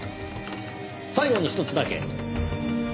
最後に１つだけ。